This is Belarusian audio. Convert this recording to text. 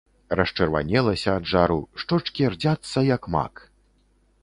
Расчырванелася ад жару, шчочкі рдзяцца, як мак.